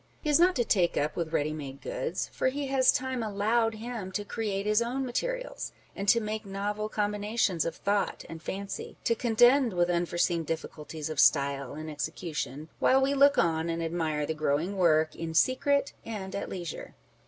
He is not to take up with ready made goods ; for he has time allowed him to create his own materials, and to make novel com binations of thought and fancy, to contend with unforeseen Writing and Speaking. 389 difficulties of style and execution, while we look on, and admire the growing work in secret and at leisure.